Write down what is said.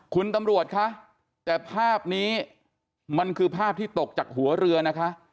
คุณตำรวจคะแต่ภาพนี้มันคือภาพที่ตกจากหัวเรือนะคะ